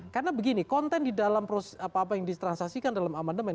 karena begini konten di dalam apa apa yang ditransaksikan dalam amandemen